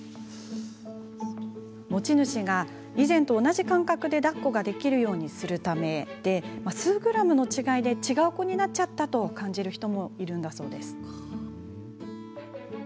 持ち主が以前と同じ感覚でだっこできるようにするためで数グラムの違いで違う子になっちゃったと感じる人もいるんだそうです。